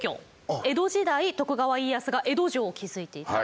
江戸時代徳川家康が江戸城を築いていた場所。